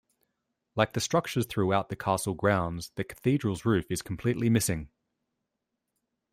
Like the structures throughout the castle grounds, the cathedral's roof is completely missing.